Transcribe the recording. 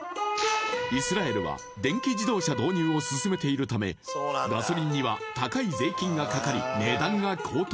イスラエルは電気自動車導入を進めているためガソリンには高い税金がかかり値段が高騰